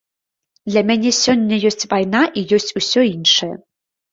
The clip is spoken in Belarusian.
Для мяне сёння ёсць вайна і ёсць усё іншае.